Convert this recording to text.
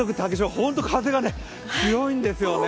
本当に風が強いんですよね。